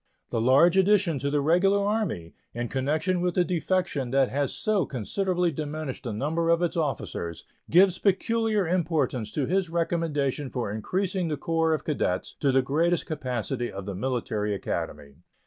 The large addition to the Regular Army, in connection with the defection that has so considerably diminished the number of its officers, gives peculiar importance to his recommendation for increasing the corps of cadets to the greatest capacity of the Military Academy.